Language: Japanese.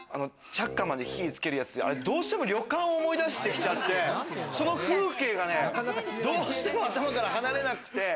チャッカマンで火、つけるやつ、どうしても旅館を思い出してきちゃって、その風景がね、どうしても頭から離れなくて。